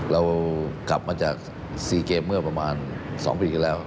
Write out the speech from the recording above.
เรากลับมาจากสี่เกมเมื่อประมาณ๒ปีเฉลี่ยแล้ว